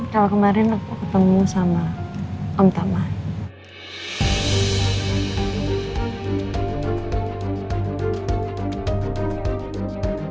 kalau kemarin aku ketemu sama om tamar